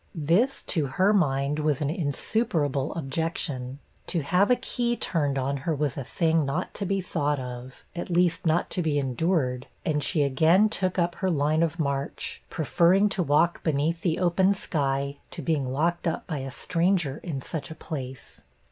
This to her mind was an insuperable objection. To have a key turned on her was a thing not to be thought of, at least not to be endured, and she again took up her line of march, preferring to walk beneath the open sky, to being locked up by a stranger in such a place.